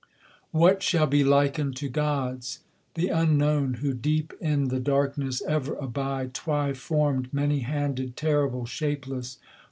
What shall be likened to gods? The unknown, who deep in the darkness Ever abide, twyformed, many handed, terrible, shapeless.